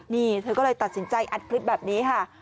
นี่เธอก็เลยตัดสินใจอัดคลิปแบบนี้ค่ะ